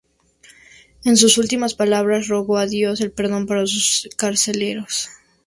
En sus últimas palabras rogó a Dios el perdón para sus carceleros.